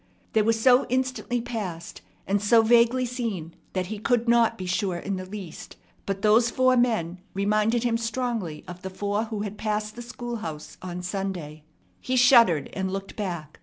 They were so instantly passed, and so vaguely seen, that he could not be sure in the least, but those four men reminded him strongly of the four who had passed the schoolhouse on Sunday. He shuddered, and looked back.